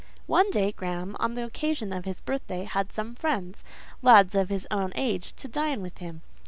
One day Graham, on the occasion of his birthday, had some friends—lads of his own age—to dine with him.